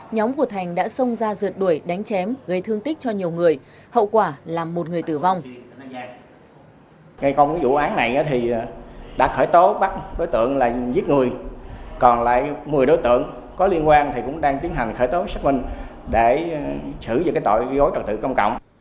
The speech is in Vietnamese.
nhóm của thành đã xông ra rượt đuổi đánh chém gây thương tích cho nhiều người hậu quả làm một người tử vong